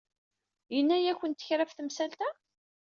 Yenna-yakent kra ɣef temsalt-a?